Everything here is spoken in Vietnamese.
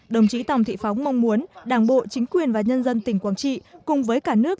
đồng chí tòng thị phóng mong muốn đảng bộ chính quyền và nhân dân tỉnh quảng trị cùng với cả nước